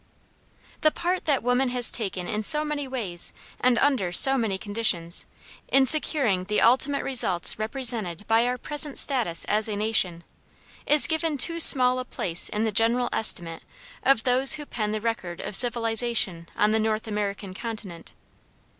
The part that woman has taken in so many ways and under so many conditions, in securing the ultimate results represented by our present status as a nation, is given too small a place in the general estimate of those who pen the record of civilization on the North American continent.